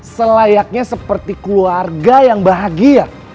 selayaknya seperti keluarga yang bahagia